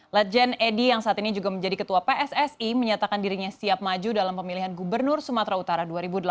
ledjen edi yang saat ini juga menjadi ketua pssi menyatakan dirinya siap maju dalam pemilihan gubernur sumatera utara dua ribu delapan belas